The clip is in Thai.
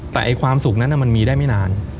แต่ความสุขนั้นมันมีได้ไม่นาน